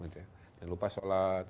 jangan lupa sholat